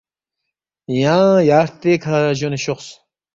یانگ یا ہرتےکھہ جونے شوخس